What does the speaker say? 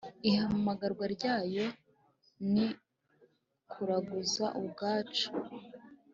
ihamagarwa ryayo ni kuraguza ubwacu